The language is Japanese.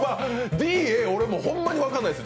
Ｄ、Ａはホンマに分からないです。